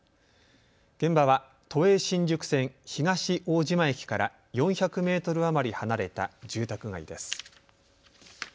現場は都営新宿線東大島駅から４００メートル余り離れた住宅街です。